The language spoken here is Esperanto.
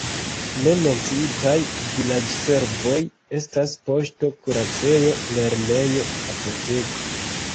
Ne menciitaj vilaĝservoj estas poŝto, kuracejo, lernejo, apoteko.